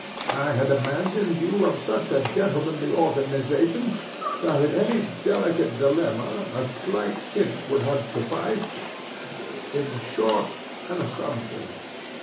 I had imagined you of such a gentlemanly organization, that in any delicate dilemma a slight hint would have suffice—in short, an assumption.